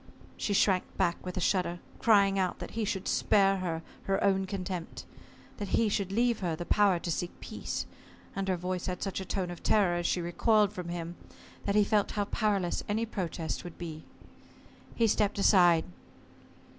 She shrank back with a shudder, crying out that he should spare her her own contempt that he should leave her the power to seek peace and her voice had such a tone of terror, as she recoiled from him, that he felt how powerless any protest would be. He stepped aside.